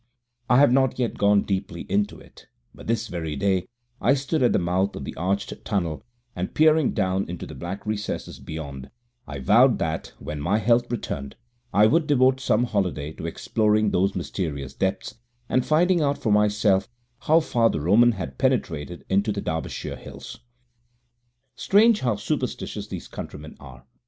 I have not yet gone deeply into it, but this very day I stood at the mouth of the arched tunnel, and peering down into the black recesses beyond, I vowed that when my health returned I would devote some holiday to exploring those mysterious depths and finding out for myself how far the Roman had penetrated into the Derbyshire hills. < 3 > Strange how superstitious these countrymen are!